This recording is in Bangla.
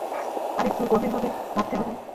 আর একটু গভীরভাবে ভাবতে হবে।